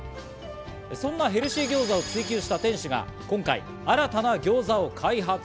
そんなヘルシーギョーザを追求した店主が今回、新たなギョーザを開発。